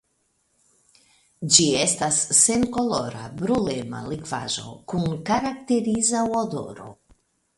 Ĝi estas senkolora brulema likvaĵo kun karakteriza odoro.